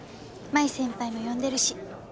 真衣先輩も呼んでるし。